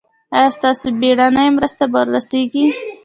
ایا ستاسو بیړنۍ مرسته به ورسیږي؟